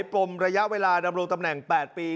ปมระยะเวลาดำรงตำแหน่ง๘ปี